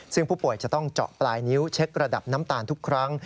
ซึ่งผู้ป่วยจะต้องเจาะปลายนิ้วเช็คระดับน้ำตาลทุกครั้ง